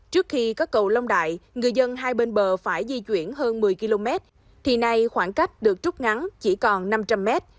trước khi có cầu long đại người dân hai bên bờ phải di chuyển hơn một mươi km thì nay khoảng cách được trút ngắn chỉ còn năm trăm linh mét